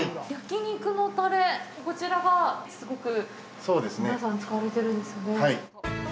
焼肉のタレ、こちらすごく皆さん、使われているんですよね。